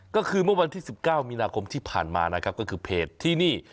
ก็คือเมื่อวันที่๑๙มีนาคมที่ผ่านมานะครับก็คือเพจที่นี่